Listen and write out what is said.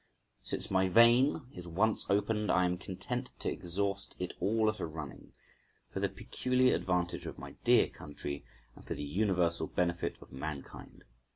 Since my vein is once opened, I am content to exhaust it all at a running, for the peculiar advantage of my dear country, and for the universal benefit of mankind.